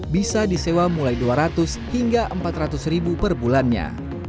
bisa disewa mulai dua ratus hingga empat ratus ribu per bulannya